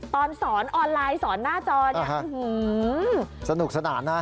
ตอนสอนออนไลน์สอนหน้าจอเนี่ยสนุกสนานนะ